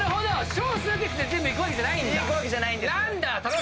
少数決で全部いくわけじゃないんだ！